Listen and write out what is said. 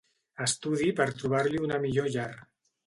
Estudi per trobar-li una millor llar.